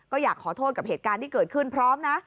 ก็อยากขอโทษกับเหตุการณ์ที่เกิดขึ้นพร้อมนะ